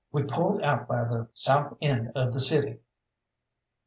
We pulled out by the south end of the city.